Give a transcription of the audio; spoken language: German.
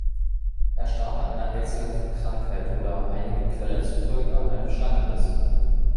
Er starb an einer rätselhaften Krankheit oder, einigen Quellen zufolge, an einem Schlangenbiss.